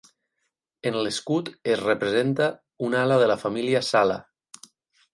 En l'escut es representa una ala de la família Sala.